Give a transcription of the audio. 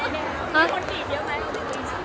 มีคนผิดยังไง